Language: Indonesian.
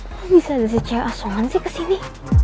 kok bisa ada si cewek asongan sih kesini